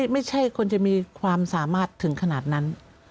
ไม่ใช่คนจะมีความสามารถถึงขนาดนั้น